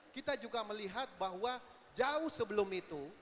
kita juga melihat bahwa jauh sebelum itu